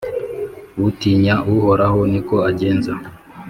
Utinya Uhoraho ni ko agenza,